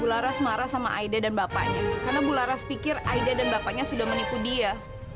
bularas marah sama aida dan bapaknya karena bularas pikir aida dan bapaknya sudah menipu dia